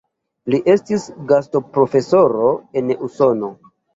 Li estis gastoprofesoro en Usono.